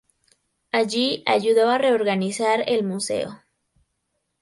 Allí, ayudó a reorganizar el museo.